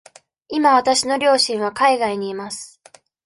今わたしの両親は海外にいます。